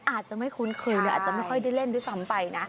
อาจจะไม่คุ้นเคยอาจจะไม่ค่อยได้เล่นด้วยซ้ำไปนะ